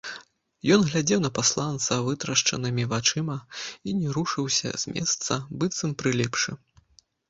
Ён глядзеў на пасланца вытрашчанымі вачыма і не рушыўся з месца, быццам прыліпшы.